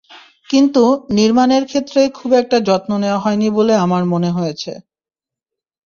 কিন্তু নির্মাণের ক্ষেত্রে খুব একটা যত্ন নেওয়া হয়নি বলে আমার মনে হয়েছে।